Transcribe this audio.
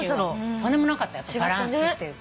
とんでもなかったバランスっていうか。